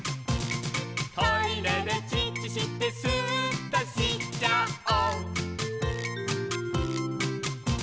「トイレでチッチしてスーっとしちゃお！」